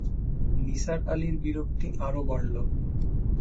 নিসার আলির বিরক্তি আরো বাড়ল।